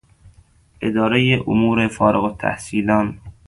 ادارهی امور فارغالتحصیلان